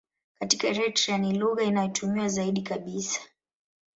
Katika Eritrea ni lugha inayotumiwa zaidi kabisa.